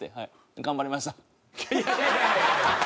「頑張りました」。